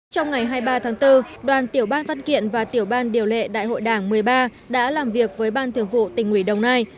trong ngày hai mươi ba tháng bốn đoàn tiểu ban văn kiện và tiểu ban điều lệ đại hội đảng một mươi ba đã làm việc với ban thường vụ tỉnh ủy đồng nai